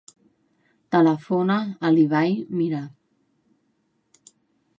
Telefona a l'Ibai Mira.